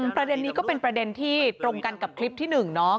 ประเด็นนี้ก็เป็นประเด็นที่ตรงกันกับคลิปที่๑เนาะ